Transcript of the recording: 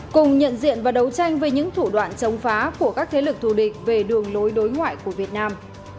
cùng nhận diện và đấu tranh với những thủ đoạn chống phá của các thế lực thù địch về đường lối đối ngoại của việt nam